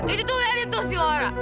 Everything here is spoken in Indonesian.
itu tuh liat itu sih laura